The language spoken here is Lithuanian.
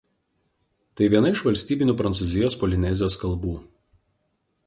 Tai viena iš valstybinių Prancūzijos Polinezijos kalbų.